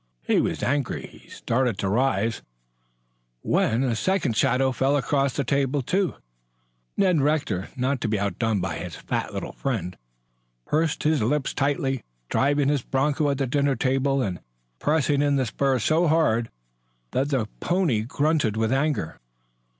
He was angry. He started to rise, when a second shadow fell across the table. Ned Rector, not to be outdone by his fat little friend, pursed his lips tightly, driving his broncho at the dinner table and pressing in the spurs so hard, that the pony grunted with anger.